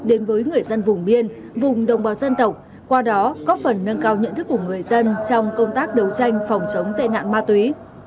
đến với người dân vùng biên vùng đồng bào dân tộc qua đó có phần nâng cao nhận thức của người dân trong công tác đấu tranh phòng chống tệ nạn ma túy